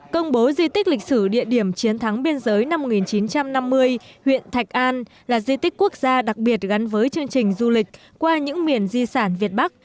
công bố di tích lịch sử địa điểm chiến thắng biên giới năm một nghìn chín trăm năm mươi huyện thạch an là di tích quốc gia đặc biệt gắn với chương trình du lịch qua những miền di sản việt bắc